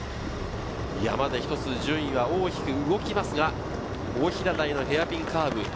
山で一つ順位が大きく動きますが、大平台のヘアピンカーブ。